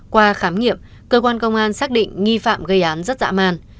qua khám nghiệm cơ quan công an xác định nghi phạm gây án rất dã man